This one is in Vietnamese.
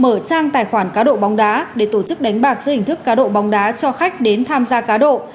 mở trang tài khoản cá độ bóng đá để tổ chức đánh bạc dưới hình thức cá độ bóng đá cho khách đến tham gia cá độ